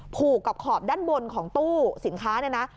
ผูกกับขอบด้านบนของตู้สินค้า